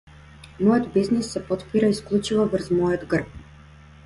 Мојот бизнис се потпира исклучиво врз мојот грб.